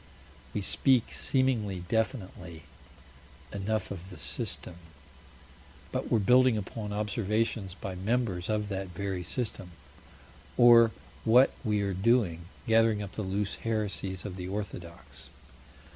We speak seemingly definitely enough of "the System," but we're building upon observations by members of that very system. Or what we are doing gathering up the loose heresies of the orthodox.